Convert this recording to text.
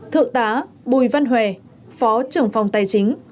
thượng tá bùi văn hòe phó trưởng phòng tài chính